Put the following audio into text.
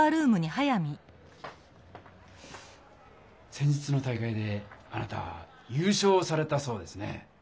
先日の大会であなた優勝されたそうですね。